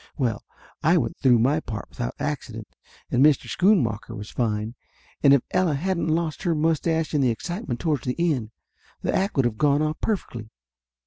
Well, I went through my part without accident, and Mr. Schoonmacker was fine, and if Ella hadn't lost her mustache in the excitement towards the end, the act would of gone off perfectly.